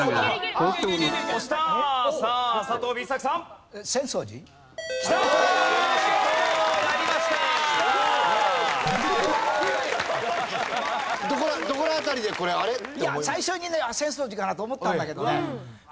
最初にね浅草寺かなと思ったんだけどね。